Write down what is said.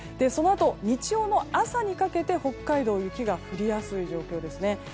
そのあと、日曜日の朝にかけて北海道は雪が降りやすい状況ですね。